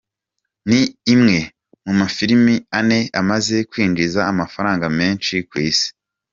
Ni imwe mu mafilime ane amaze kwinjiza amafaranga menshi ku isi.